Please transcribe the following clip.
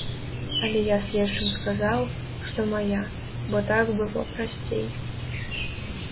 Але я следчым сказаў, што мая, бо так было прасцей.